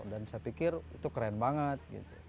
dan saya pikir itu keren banget